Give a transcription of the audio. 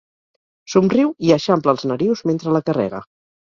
Somriu i eixampla els narius mentre la carrega.